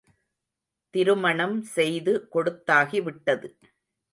திருமணம் செய்து கொடுத்தாகிவிட்டது.